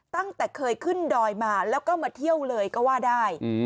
ตั้งแต่เคยขึ้นดอยมาแล้วก็มาเที่ยวเลยก็ว่าได้